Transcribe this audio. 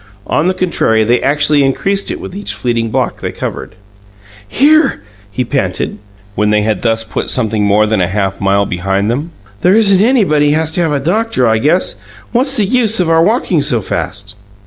On the contrary, they actually increased it with each fleeting block they covered. "Here!" he panted, when they had thus put something more than a half mile behind them. "There isn't anybody has to have a doctor, I guess! What's the use our walkin' so fast?"